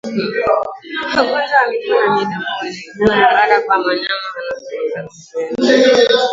Ugonjwa wa miguu na midomo huenea haraka kwa wanyama wadhaifu kiafya